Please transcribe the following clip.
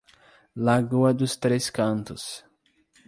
Lagoa dos Três Cantos